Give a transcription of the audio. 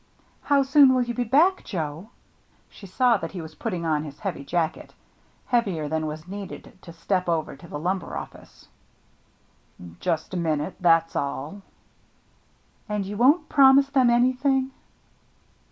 " How soon will you be back, Joe ?" She saw that he was putting on his heavy jacket — heavier than was needed to step over to the lumber office. "Just a minute — that's all." " And you won't promise them anything